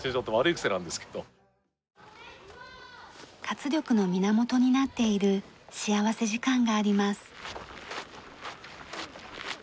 活力の源になっている幸福時間があります。